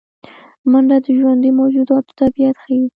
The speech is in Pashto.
منډه د ژوندي موجوداتو طبیعت ښيي